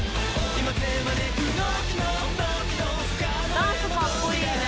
ダンスかっこいいね。